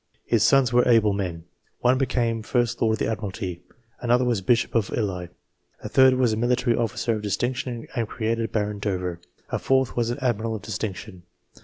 His sons were able men: one became First Lord of the Admiralty, another was Bishop of Ely, a third was a military officer of dis tinction and created Baron Dover, a fourth was an admiral of distinction.